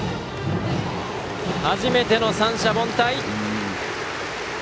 初めての三者凡退。